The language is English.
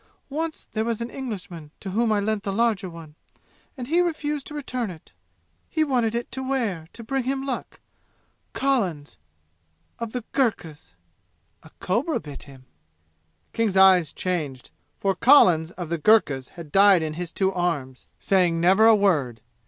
Once there was an Englishman to whom I lent the larger one, and he refused to return it. He wanted it to wear, to bring him luck. Collins, of the Gurkhas. A cobra bit him." King's eyes changed, for Collins of the Gurkhas had died in his two arms, saying never a word.